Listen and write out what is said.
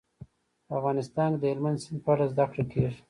په افغانستان کې د هلمند سیند په اړه زده کړه کېږي.